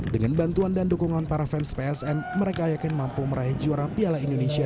dengan bantuan dan dukungan para fans psm mereka yakin mampu meraih juara piala indonesia dua ribu sembilan belas